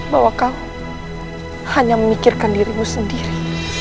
bahwa kamu hanya memikirkan dirimu sendiri